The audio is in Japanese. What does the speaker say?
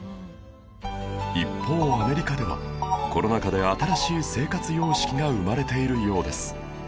一方アメリカではコロナ禍で新しい生活様式が生まれているようです